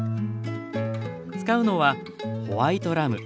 使うのはホワイトラム。